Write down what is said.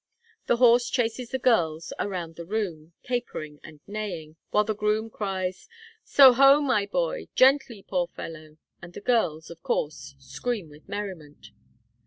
The horse chases the girls around the room, capering and neighing, while the groom cries, 'So ho, my boy gently, poor fellow!' and the girls, of course, scream with merriment.